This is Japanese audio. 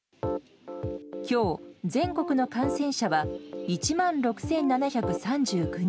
きょう、全国の感染者は１万６７３９人。